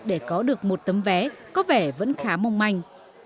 để có được một tấm vé có vẻ vẫn khá mong manh